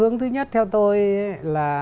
hướng thứ nhất theo tôi là